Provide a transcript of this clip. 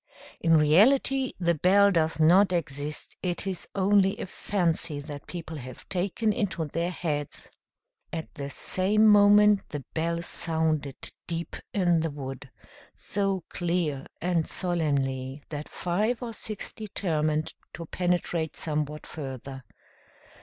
In reality the bell does not exist; it is only a fancy that people have taken into their heads!" At the same moment the bell sounded deep in the wood, so clear and solemnly that five or six determined to penetrate somewhat further.